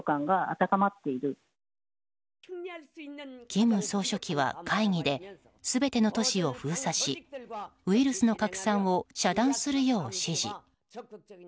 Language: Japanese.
金総書記は会議で全ての都市を封鎖しウイルスの拡散を遮断するよう指示。